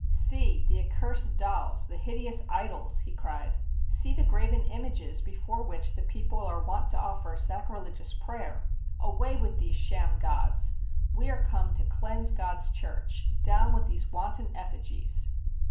"See! The accursed dolls, the hideous idols!" he cried. "See the graven images before which the people are wont to offer sacrilegious prayer ! Away with these sham gods! We are come to cleanse God's church! Down with these wanton effigies!"